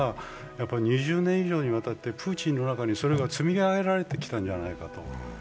２０年以上にわたってプーチンの中にそれが積み上げられてきたんじゃないかと。